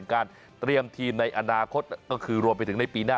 การเตรียมทีมในอนาคตก็คือรวมไปถึงในปีหน้า